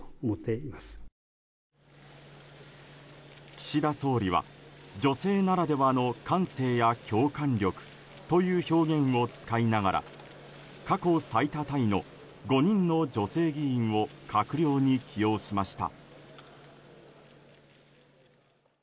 岸田総理は、女性ならではの感性や共感力という表現を使いながら過去最多タイの５人の女性議員を閣僚に起用しました。